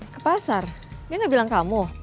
ke pasar dia nggak bilang kamu